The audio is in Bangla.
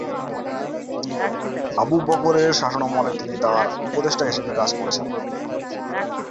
আবু বকরের শাসনামলে তিনি তার উপদেষ্টা হিসেবে কাজ করেছেন।